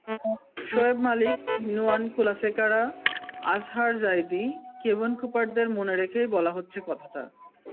Shoaib Malik, Nuwan Kulasekara, Azhar Zaidi, Kevon কুপারদের মনে রেখেই বলা হচ্ছে কথাটা।